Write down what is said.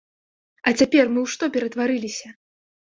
А цяпер мы ў што ператварыліся?